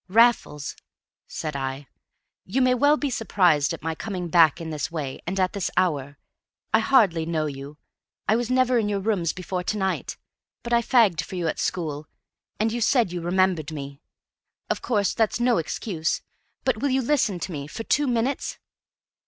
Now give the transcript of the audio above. "Raffles," said I, "you may well be surprised at my coming back in this way and at this hour. I hardly know you. I was never in your rooms before to night. But I fagged for you at school, and you said you remembered me. Of course that's no excuse; but will you listen to me for two minutes?"